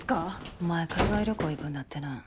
お前海外旅行行くんだってな。